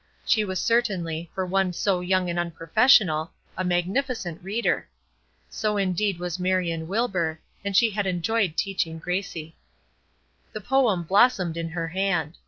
She was certainly, for one so young and so unprofessional, a magnificent reader. So indeed was Marion Wilbur, and she had enjoyed teaching Gracie. The poem blossomed in her hand.